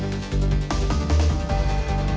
มีความรู้สึกว่ามีความรู้สึกว่า